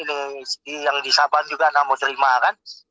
ini yang di saban juga nggak mau terima kan